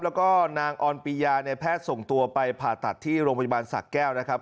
แล้วก็นางออนปียาเนี่ยแพทย์ส่งตัวไปผ่าตัดที่โรงพยาบาลสะแก้วนะครับ